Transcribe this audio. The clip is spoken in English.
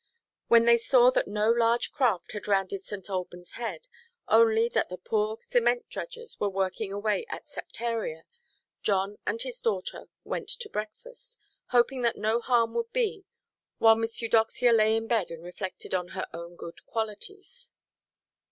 When they saw that no large craft had rounded St. Albanʼs Head, only that the poor cement–dredgers were working away at septaria, John and his daughter went to breakfast, hoping that no harm would be, while Miss Eudoxia lay in bed, and reflected on her own good qualities.